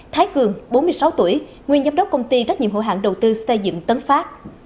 thái cường bốn mươi sáu tuổi nguyên giám đốc công ty trách nhiệm hữu hạng đầu tư xây dựng tấn phát